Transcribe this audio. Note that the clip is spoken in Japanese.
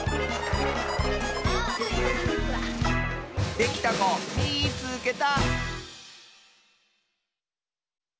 できたこみいつけた！